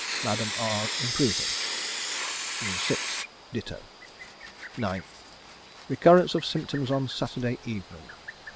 Madame R improving. 6th. Ditto. 9th. Recurrence of symptoms on Saturday evening.